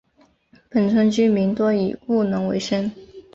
本村居民多以务农为生。